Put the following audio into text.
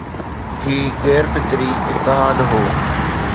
هي غير فطري اتحاد هو